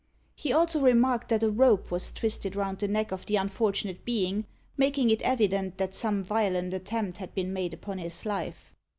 He also remarked that a rope was twisted round the neck of the unfortunate being, making it evident that some violent attempt had been made upon his life.